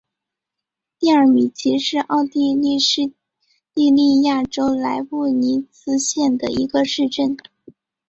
蒂尔米奇是奥地利施蒂利亚州莱布尼茨县的一个市镇。